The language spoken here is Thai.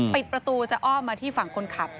ปิดประตูจะอ้อมมาที่ฝั่งคนขับ